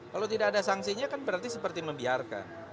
kalau tidak ada sanksinya kan berarti seperti membiarkan